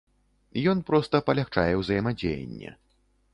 Ён проста палягчае ўзаемадзеянне.